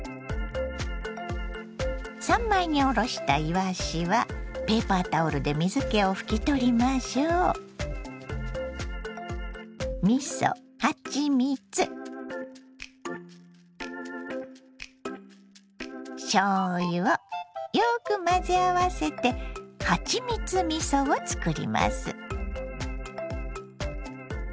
３枚におろしたいわしはペーパータオルで水けを拭き取りましょ。をよく混ぜ合わせてはちみつみそを作ります。